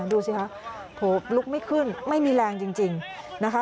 ดูสิคะลุกไม่ขึ้นไม่มีแรงจริงนะคะ